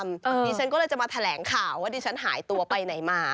ดิฉันก็เลยจะมาแถลงข่าวว่าดิฉันหายตัวไปไหนมา